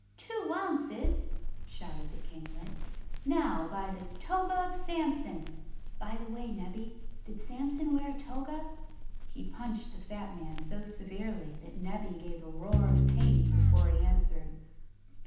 "Two ounces!" shouted the kinglet. "Now, by the toga of Samson by the way, Nebbie, did Samson wear a toga?" He punched the fat man so severely that Nebbie gave a roar of pain before he answered.